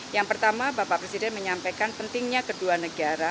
yang pertama bapak presiden menyampaikan pentingnya kedua negara